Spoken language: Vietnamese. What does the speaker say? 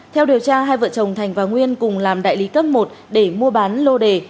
theo điều tra hai vợ chồng thành và nguyên cùng làm đại lý cấp một để mua bán lô đề